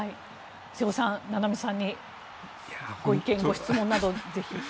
瀬尾さん、名波さんにご意見、ご質問などぜひ。